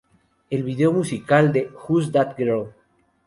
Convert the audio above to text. El video musical de "Who's That Girl?